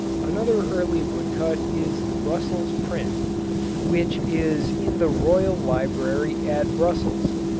Another early woodcut is the Brussels Print, which is in the Royal Library at Brussels.